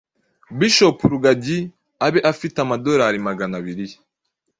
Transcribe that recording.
bishop rugagi abe afite amadorali Magana abiri ye,